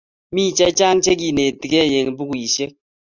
Mi chechang' che kenetikey eng' pukuisyek